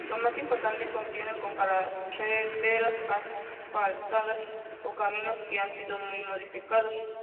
Las más importantes coinciden con carreteras asfaltadas o caminos que han sido muy modificados.